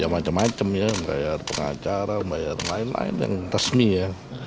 ya macam macam ya membayar pengacara membayar lain lain yang resmi ya